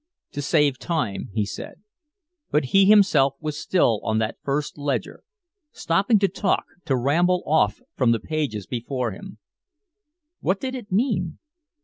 "To save time," he said. But he himself was still on that first ledger, stopping to talk, to ramble off from the pages before him. What did it mean?